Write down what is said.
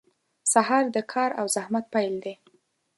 • سهار د کار او زحمت پیل دی.